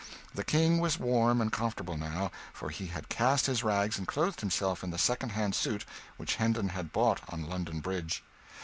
The King was warm and comfortable, now, for he had cast his rags and clothed himself in the second hand suit which Hendon had bought on London Bridge.